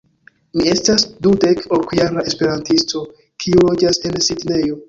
Mi estas dudek-ok jara Esperantisto, kiu loĝas en Sidnejo.